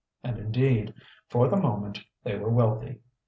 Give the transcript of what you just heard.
And indeed for the moment they were wealthy.